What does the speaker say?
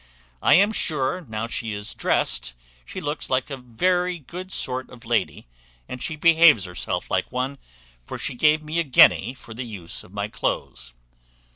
"I am sure, now she is drest, she looks like a very good sort of lady, and she behaves herself like one; for she gave me a guinea for the use of my cloaths."